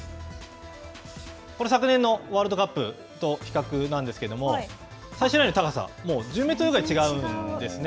これ昨年のワールドカップとの比較なんですけれども、最初の高さもう１０メートルぐらい違うんですね。